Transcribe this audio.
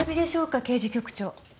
刑事局長。